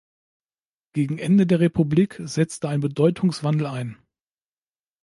Gegen Ende der Republik setzte ein Bedeutungswandel ein.